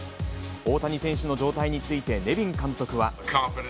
大谷選手の状態について、ネビン監督は。